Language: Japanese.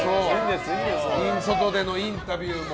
外でのインタビューも。